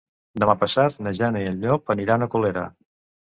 Demà passat na Jana i en Llop aniran a Colera.